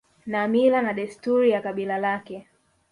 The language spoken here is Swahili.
na mila na desturi ya kabila lake